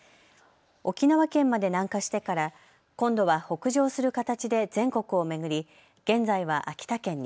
沖縄県まで南下してから今度は北上する形で全国を巡り、現在は秋田県に。